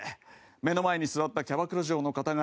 目の前に座ったキャバクラ嬢の方が。